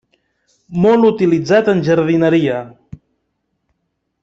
Molt utilitzat en jardineria.